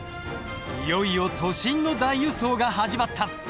いよいよ都心の大輸送が始まった。